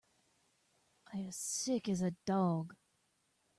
As sick as a dog.